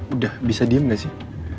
udah bisa diem gak sih